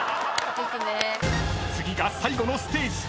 ［次が最後のステージ］